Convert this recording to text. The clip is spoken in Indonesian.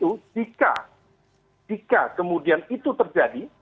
oleh karena itu jika kemudian itu terjadi